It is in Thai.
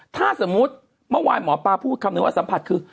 ถ้าสมมุติเมื่อวานหมอปลาพูดคำนึงว่าสัมผัสคือ